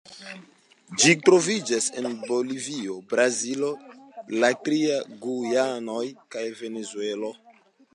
Ĝi troviĝas en Bolivio, Brazilo, la tri Gujanoj kaj Venezuelo.